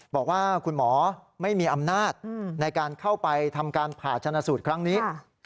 บอกว่าคุณหมอไม่มีอำนาจในการเข้าไปทำการผ่าชนะสูตรครั้งนี้